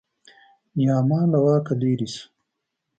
نیاما له واکه لرې شو.